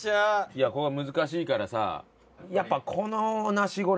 いやここは難しいからさ。